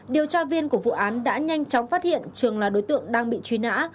điều tra viên của vụ án đã nhanh chóng phát hiện trường là đối tượng đang bị truy nã